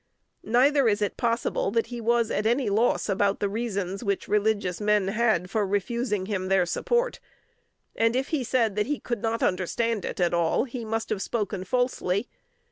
Neither is it possible that he was at any loss about the reasons which religious men had for refusing him their support; and, if he said that he could not understand it at all, he must have spoken falsely.